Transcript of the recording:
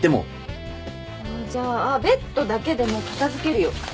あっじゃあベッドだけでも片付けるよ。